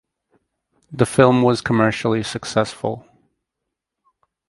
The film was commercially successful.